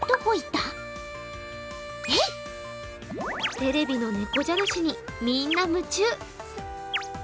テレビの猫じゃらしにみんな夢中。